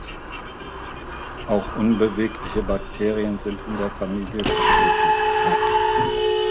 Auch unbewegliche Bakterien sind in der Familie vertreten.